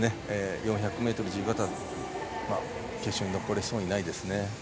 ４００ｍ自由形では決勝に残れそうにないですね。